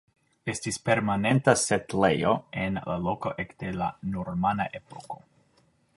Estis permanenta setlejo en la loko ekde la normana epoko.